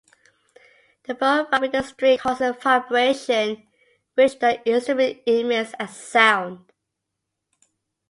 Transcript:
The bow rubbing the string causes vibration which the instrument emits as sound.